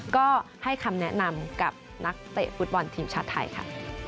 ก็ให้คำแนะนำกับนักเตะฟุตบอลทีมชาติไทยค่ะ